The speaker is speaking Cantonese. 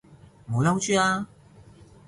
唔好嬲豬啦